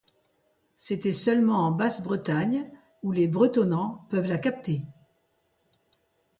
C’était seulement en Basse-Bretagne où les bretonnants peuvent la capter.